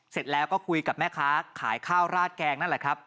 เสร็จแล้วก็คุยกับแม่ค้าขายข้าวราดแกงนั่นแหละครับ